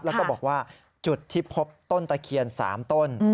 แล้วก็บอกว่าจุดที่พบต้นตะเคียน๓ต้น